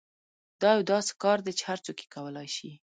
دا یو داسې کار دی چې هر څوک یې کولای شي